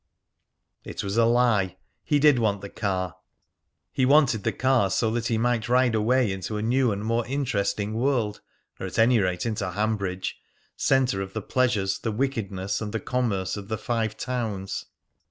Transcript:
It was a lie. He did want the car. He wanted the car so that he might ride right away into a new and more interesting world, or at any rate into Hanbridge, centre of the pleasures, the wickedness, and the commerce of the Five Towns.